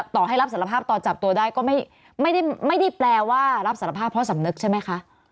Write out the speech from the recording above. ต่อให้รับสารภาพตอนจับตัวได้ก็ไม่ได้แปลว่ารับสารภาพเพราะสำนึกใช่ไหมคะ